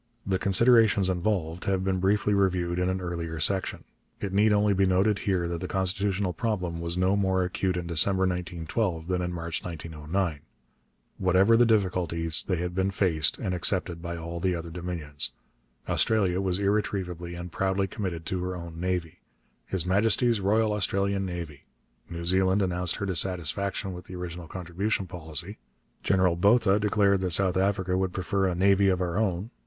The considerations involved have been briefly reviewed in an earlier section. It need only be noted here that the constitutional problem was no more acute in December 1912 than in March 1909. Whatever the difficulties, they had been faced and accepted by all the other Dominions. Australia was irretrievably and proudly committed to her own navy 'His Majesty's Royal Australian Navy'; New Zealand announced her dissatisfaction with the original contribution policy; General Botha declared that South Africa would prefer 'a navy of our own.'